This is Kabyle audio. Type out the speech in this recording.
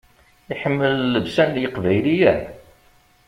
Iḥemmel llebsa n yeqbayliyen?